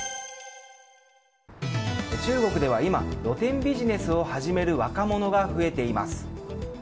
中国では今露店ビジネスを始める若者が増えています。